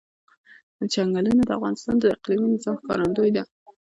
چنګلونه د افغانستان د اقلیمي نظام ښکارندوی ده.